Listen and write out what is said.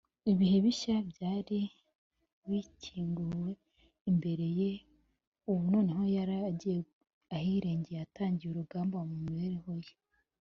Ibihe bishya byari bikinguwe imbere ye. Ubu noneho, yari agiye ahirengeye, atangiye urugamba mu mibereho ye